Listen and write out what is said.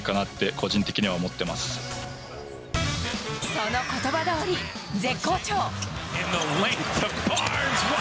その言葉どおり、絶好調！